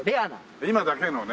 今だけのね。